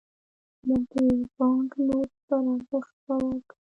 موږ د بانکنوټ پر ارزښت باور کوو.